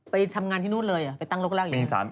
ไปทำงานที่นู่นเลยไปตั้งโรคเล่าอยู่